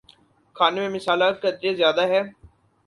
کھانے میں مصالحہ قدرے زیادہ ہے